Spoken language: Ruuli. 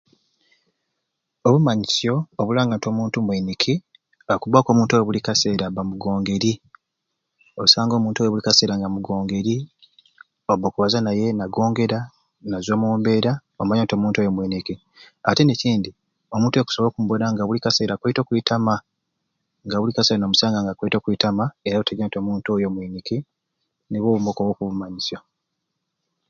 Obumanyisyo obulanga nti omuntu mwiniki akubba buli kaseera omuntu oyo nga mugongeri osanga omuntu oyo buli kaseera nga mugongeri obba okubaza naye nagongera nazwa omumbeera n'omanya nti omuntu oyo mwiniki ate n'ekindi omuntu oyo okusobola okumubona buli kaseera nga akwaite okwitama nga buli kaseera akwaite okwitama era n'otegeera nti omuntu oyo mwiniki nibwo obwo obumwe okubumanyisyo.